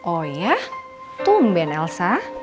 oh ya tumben elsa